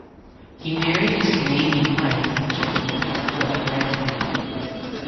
He married his Canadian wife in June before he graduated.